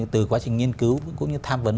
từ quá trình nghiên cứu cũng như tham vấn